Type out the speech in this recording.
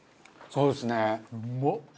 そうですね。